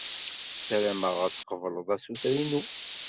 Ssarameɣ ad tqebled assuter-inu.